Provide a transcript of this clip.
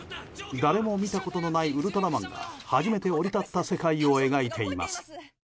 誰も見たことがないウルトラマンが初めて降り立った世界を描いています。